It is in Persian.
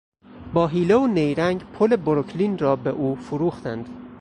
با حیله و نیرنگ پل بروکلین را به او فروختند.